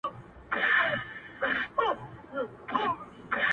هو رشتيا”